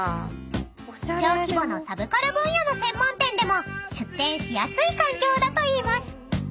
［小規模のサブカル分野の専門店でも出店しやすい環境だといいます］